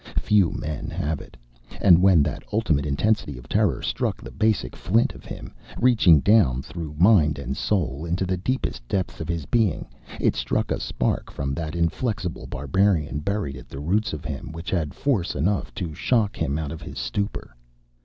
Few men have it. And when that ultimate intensity of terror struck the basic flint of him, reaching down through mind and soul into the deepest depths of his being, it struck a spark from that inflexible barbarian buried at the roots of him which had force enough to shock him out of his stupor.